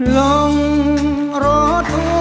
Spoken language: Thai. ลองรถผัวมิระทริมาก